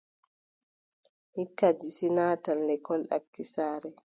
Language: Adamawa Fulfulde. Hikka, Disi naatan lekkol ɗaki saare.